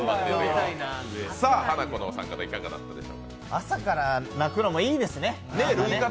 朝から泣くのもいいですね。